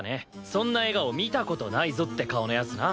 そんな笑顔見た事ないぞって顔のやつな。